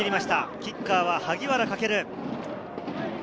キッカーは萩原駆。